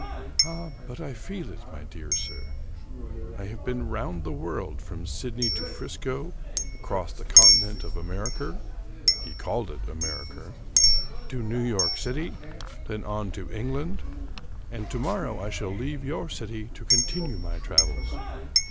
" Ah, but I feel it, my dear sir. I have been round the world, from Sydney to Frisco, across the continent of America" (he called it Amerrker) "to New York City, then on to England, and to morrow I shall leave your city to continue my travels.